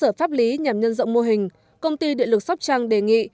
để có cơ sở pháp lý nhằm nhân dọng mô hình công ty điện lực sóc trăng đề nghị